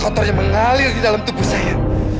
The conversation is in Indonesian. kotornya mengalir di dalam tubuh saya